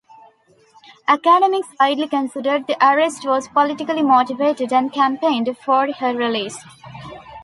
Academics widely considered the arrest was politically motivated and campaigned for her release.